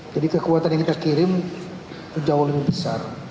jadi kekuatan yang kita kirim jauh lebih besar